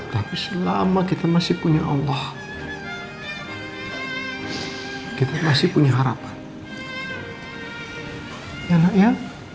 tapi selama kita masih punya allah kita masih punya harapan ya